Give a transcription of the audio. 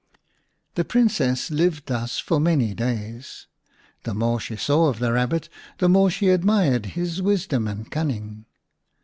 The Princess lived thus for many days. The more she saw of the Kabbit the more she admired his wisdom and cunning.